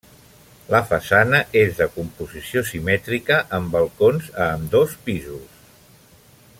La façana és de composició simètrica, amb balcons a ambdós pisos.